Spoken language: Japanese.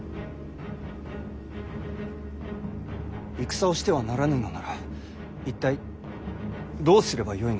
戦をしてはならぬのなら一体どうすればよいのですか？